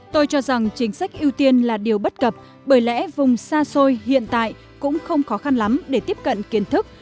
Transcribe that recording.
tôi cho rằng chính sách ưu tiên là điều bất cập bởi lẽ vùng xa xôi hiện tại cũng không khó khăn lắm để tiếp cận kiến thức